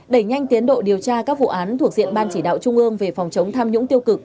đẩy nhanh tiến độ điều tra các vụ án thuộc diện ban chỉ đạo trung ương về phòng chống tham nhũng tiêu cực